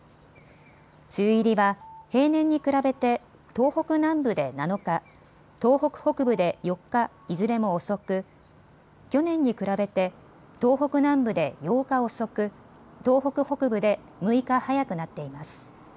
梅雨入りは平年に比べて東北南部で７日、東北北部で４日、いずれも遅く去年に比べて東北南部で８日遅く、東北北部で６日早くなっています。